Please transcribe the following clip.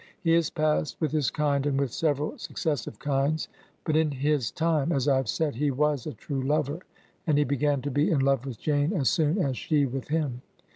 He has passed with his kind, and with several successive kinds; but in his time, as I have said, he was a true lover, and he began to be in love with Jane as soon as she with him.